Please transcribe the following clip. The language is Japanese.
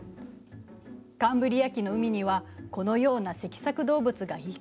カンブリア紀の海にはこのような脊索動物がいくつもいたの。